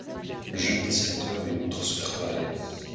Le jeune dessinateur lui montre son travail.